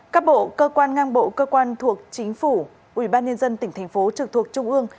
các bộ cơ quan ngang bộ cơ quan thuộc chính phủ ubnd tỉnh thành phố trực thuộc trung ương